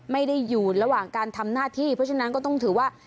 ไม่ได้อยู่ระหว่างการทำหน้าที่เพราะฉะนั้นก็ต้องถือว่า